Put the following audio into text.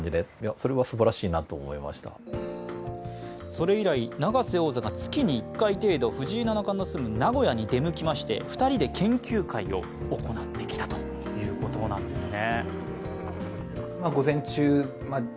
それ以来、永瀬王座が月に１回程度藤井七冠の住む名古屋に出向いて２人で研究会を行ってきたということなんですね。